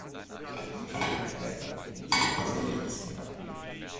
Armee wurde später auf die Insel Celebes evakuiert.